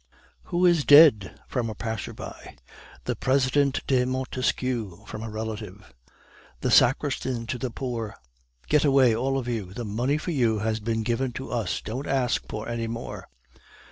"'Who is dead?' (from a passer by). "'The President de Montesquieu!' (from a relative). "The sacristan to the poor, 'Get away, all of you; the money for you has been given to us; don't ask for any more.